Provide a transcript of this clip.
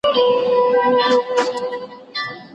سجدې مي وړای ستا تر چارچوبه خو چي نه تېرېدای